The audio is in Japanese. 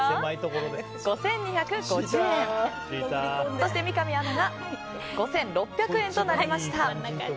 そして三上アナが５６００円となりました。